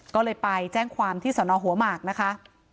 ก็เลยไปแจ้งความที่สนหัวหมากนะคะ